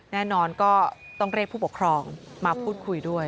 แน่นอนก็ต้องเรียกผู้ปกครองมาพูดคุยด้วย